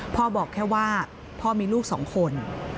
บอกแค่ว่าพ่อมีลูกสองคน